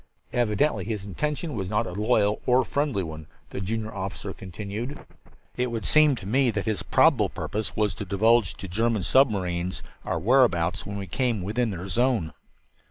"Evidently his intention was not a loyal or friendly one," the junior officer continued. "It would seem to me that his probable purpose was to divulge to German submarines our whereabouts when we came within their zone."